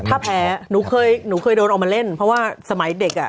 ถ้าแพ้หนูเคยโดนออกมาเล่นเพราะว่าสมัยเด็ก